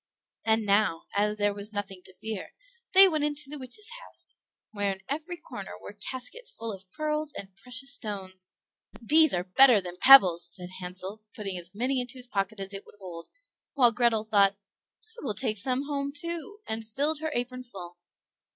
And now, as there was nothing to fear, they went into the witch's house, where in every corner were caskets full of pearls and precious stones. "These are better than pebbles," said Hansel, putting as many into his pocket as it would hold; while Grethel thought, "I will take some home, too," and filled her apron full.